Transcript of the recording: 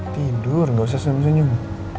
tidur gak usah senyum senyum